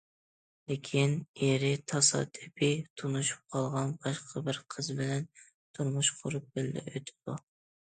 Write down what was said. لېكىن ئېرى تاسادىپىي تونۇشۇپ قالغان باشقا بىر قىز بىلەن تۇرمۇش قۇرۇپ بىللە ئۆتىدۇ.